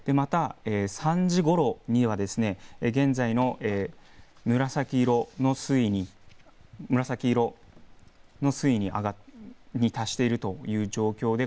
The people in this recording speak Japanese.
３時ごろには現在の紫色の水位に上がって達しているという状況です。